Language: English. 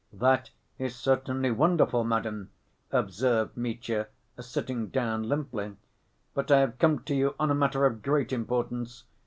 "That is certainly wonderful, madam," observed Mitya, sitting down limply, "but I have come to you on a matter of great importance....